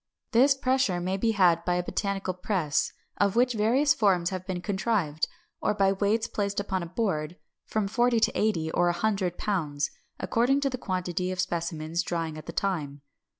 This pressure may be had by a botanical press, of which various forms have been contrived; or by weights placed upon a board, from forty to eighty or a hundred pounds, according to the quantity of specimens drying at the time.